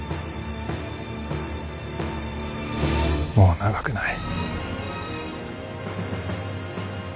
もう長くない。